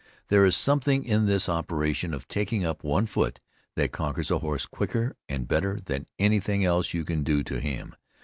There is something in this operation of taking up one foot that conquers a horse quicker and better than any thing else you can do to him.